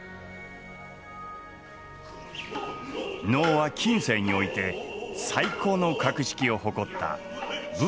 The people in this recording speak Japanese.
能は近世において最高の格式を誇った「武家の式楽」。